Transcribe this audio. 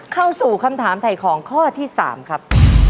เข้าสู่คำถามถ่ายของข้อที่๓ครับ